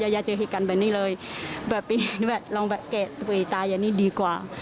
อย่าเจอกันแบบนี้เลยลองแบบเกะตายอย่างนี้ดีกว่า